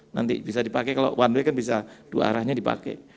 nanti bisa dipakai kalau one way kan bisa dua arahnya dipakai